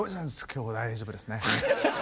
今日は大丈夫ですね。